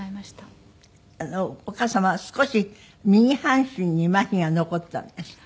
お母様は少し右半身にマヒが残ったんですって？